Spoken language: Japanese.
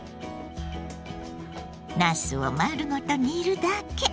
なすを丸ごと煮るだけ。